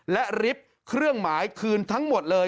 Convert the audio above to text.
และริฟท์เครื่องหมายคืนทั้งหมดเลย